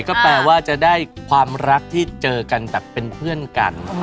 ก็แปลว่าจะได้ความรักที่เจอกันแบบเป็นเพื่อนกัน